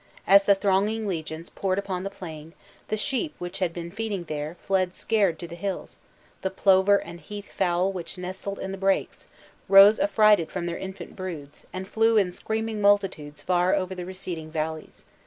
As the thronging legions poured upon the plain, the sheep which had been feeding there, fled scared to the hills; the plover and heath fowl which nestled in the brakes, rose affrighted from their infant broods, and flew in screaming multitudes far over the receding valleys.